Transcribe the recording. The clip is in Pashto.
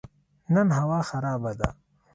نن هوا خراب ده